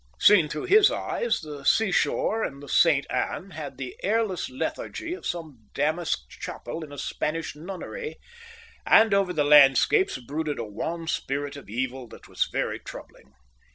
Seen through his eyes, the seashore in the Saint Anne had the airless lethargy of some damasked chapel in a Spanish nunnery, and over the landscapes brooded a wan spirit of evil that was very troubling.